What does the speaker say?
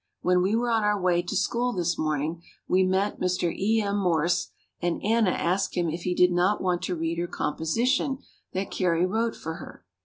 When we were on our way to school this morning we met Mr. E. M. Morse and Anna asked him if he did not want to read her composition that Carrie wrote for her.